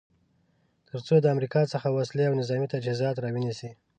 تر څو د امریکا څخه وسلې او نظامې تجهیزات را ونیسي.